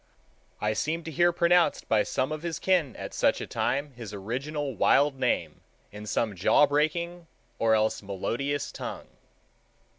I seem to hear pronounced by some of his kin at such a time his original wild name in some jaw breaking or else melodious tongue.